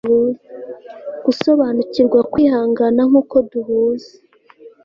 gusobanukirwa kwihangana nkuko duhuza